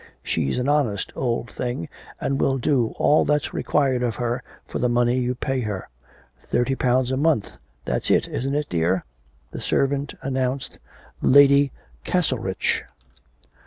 She's an honest old thing, and will do all that's required of her for the money you pay her. Thirty pounds a month, that's it, isn't it, dear?' The servant announced Lady Castlerich.